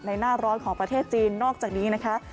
หน้าร้อนของประเทศจีนนอกจากนี้นะคะ